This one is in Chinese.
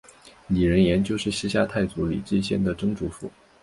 李仁颜就是西夏太祖李继迁的曾祖父。